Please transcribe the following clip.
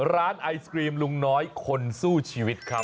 ร้านไอศครีมลุงน้อยคนสู้ชีวิตครับ